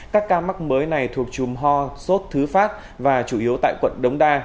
các ca mắc mới này thuộc chùm ho sốt thứ phát và chủ yếu tại quận đống đa